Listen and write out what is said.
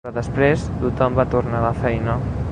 Però després, tothom va tornar a la feina.